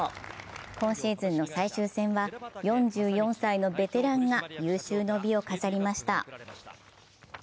今シーズンの最終戦は４４歳のベテランが有終の美を飾りました。